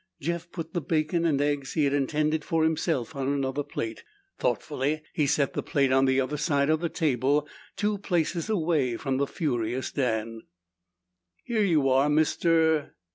Jeff put the bacon and eggs he had intended for himself on another plate. Thoughtfully he set the plate on the other side of the table, two places away from the furious Dan. "Here you are, Mr.